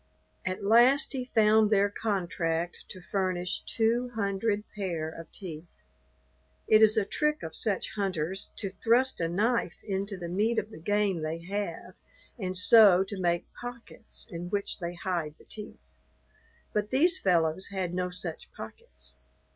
At last he found their contract to furnish two hundred pair of teeth. It is a trick of such hunters to thrust a knife into the meat of the game they have, and so to make pockets in which they hide the teeth; but these fellows had no such pockets.